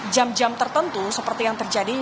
jam jam tertentu seperti yang terjadi